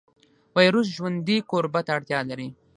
ویروس ژوندي کوربه ته اړتیا لري